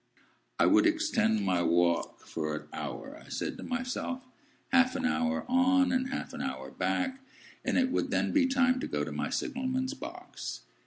I would extend my walk for an hour, I said to myself, half an hour on and half an hour back, and it would then be time to go to my signal man's box.